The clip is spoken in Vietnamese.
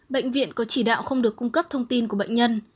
bệnh viện có chỉ đạo không được cung cấp thông tin của bệnh nhân